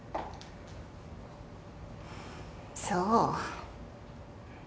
そう。